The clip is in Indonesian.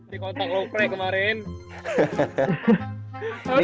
di kontak lo kre kemarin